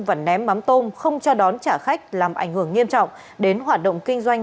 và ném mắm tôm không cho đón trả khách làm ảnh hưởng nghiêm trọng đến hoạt động kinh doanh